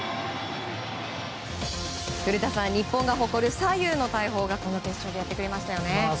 古田さん日本が誇る左右の大砲がこの決勝でやってくれましたね。